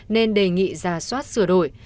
nên đề nghị ra soát sửa đổi